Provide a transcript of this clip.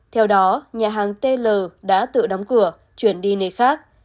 theo đó nhà hàng tl đã tự đóng cửa chuyển đi nơi khác